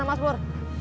dari mana mas pur